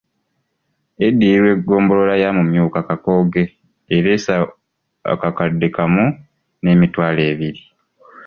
Eddirirwa eggombolola ya Mumyuka Kakooge ereese akakadde kamu n’emitwalo ebiri.